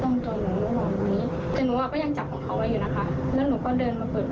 หนูก็บอกให้พี่เขาเปรียบปลูกประตูให้